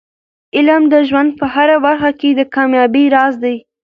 علم د ژوند په هره برخه کې د کامیابۍ راز دی.